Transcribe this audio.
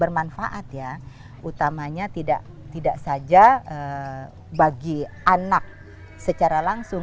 bermanfaat ya utamanya tidak tidak saja bagi anak secara langsung